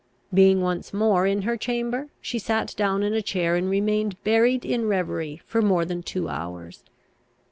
Being once more in her chamber, she sat down in a chair, and remained buried in reverie for more than two hours.